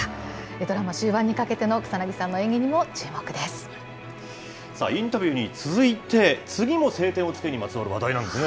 ドラマ終盤にかけての草なぎさんインタビューに続いて、次も青天を衝けにまつわる話題なんですね。